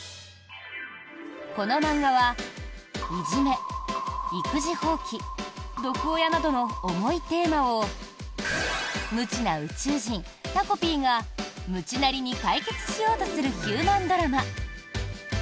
この漫画は、いじめ、育児放棄毒親などの重いテーマを無知な宇宙人タコピーが無知なりに解決しようとするヒューマンドラマ。